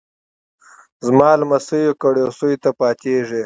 زما لمسیو کړوسیو ته پاتیږي